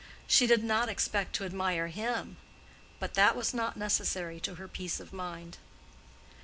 She did not expect to admire him, but that was not necessary to her peace of mind.